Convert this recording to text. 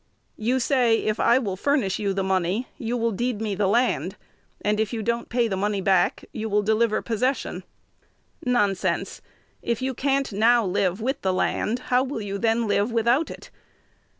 You say, if I will furnish you the money, you will deed me the land, and, if you don't pay the money back, you will deliver possession. Nonsense! If you can't now live with the land, how will you then live without it?